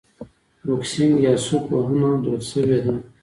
بوکسینګ یا سوک وهنه دود شوې ده.